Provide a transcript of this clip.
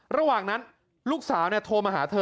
ระหว่างนั้นลูกสาวโทรมาหาเธอ